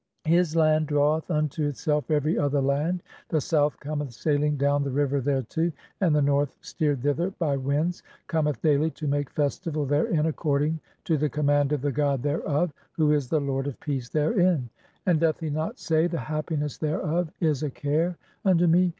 "His land draweth unto itself every [other] land ; the South "cometh sailing down the river thereto, and the North, (37) "steered thither by winds, cometh daily to make festival therein "according to the command of the God thereof, who is the lord 346 THE CHAPTERS OF COMING FORTH BY DAY. "of peace therein. And doth he not say, 'The happiness thereof "(38) is a care unto me